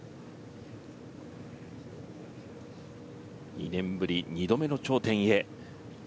２年ぶり２度目の頂点へ。